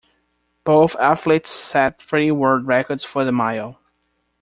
Both athletes set three world records for the mile.